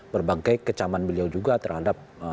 berbagai kecaman beliau juga terhadap